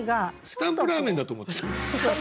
「スタンプラーメン」だと思っちゃう。